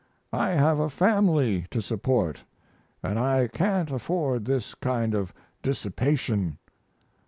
I have a family to support, & I can't afford this kind of dissipation.